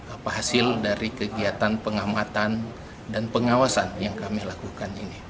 apa hasil dari kegiatan pengamatan dan pengawasan yang kami lakukan ini